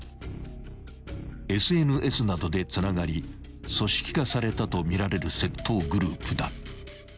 ［ＳＮＳなどでつながり組織化されたとみられる窃盗グループだ］